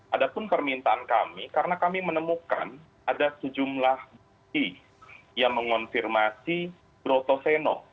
adapun permintaan kami karena kami menemukan ada sejumlah bukti yang mengonfirmasi brotoveno